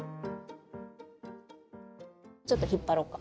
ちょっと引っ張ろっか。